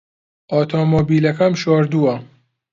ئۆتۆمۆبیلەکەم شۆردووە.